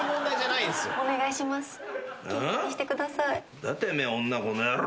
何だてめえ女この野郎。